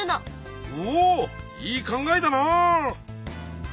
おいい考えだなあ！